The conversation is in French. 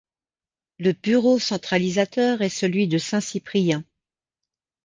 Le bureau centralisateur est celui de Saint-Cyprien.